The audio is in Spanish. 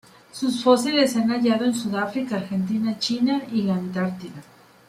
Sus fósiles se han hallado en Sudáfrica, Argentina, China y la Antártida.